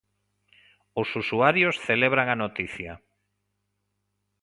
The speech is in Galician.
Os usuarios celebran a noticia.